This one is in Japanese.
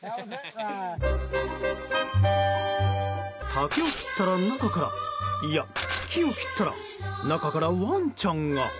竹を切ったら、中からいや、木を切ったら中からワンちゃんが。